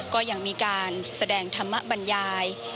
ก็ยังมีการแสดงธรรมบรรยาย